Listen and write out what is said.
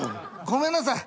ごめんなさい。